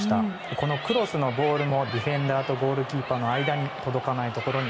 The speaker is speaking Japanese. このクロスのボールもディフェンダーとゴールキーパーの間に届かないところに。